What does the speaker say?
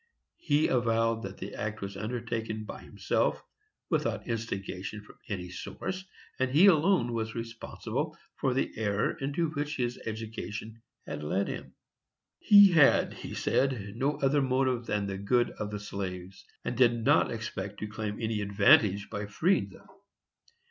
He avowed that the act was undertaken by himself without instigation from any source, and he alone was responsible for the error into which his education had led him. He had, he said, no other motive than the good of the slaves, and did not expect to claim any advantage by freeing them.